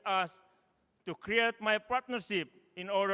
untuk membuat persahabatan saya